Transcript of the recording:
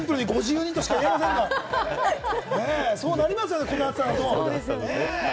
もうシンプルにご自由にとしか言えませんが、そうなりますよね、この暑さだと。